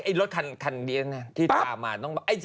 ไอ้รถคันที่ถ่ายมาต้อง